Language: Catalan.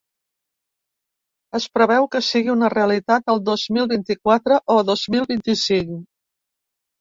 Es preveu que sigui una realitat el dos mil vint-i-quatre o dos mil vint-i-cinc.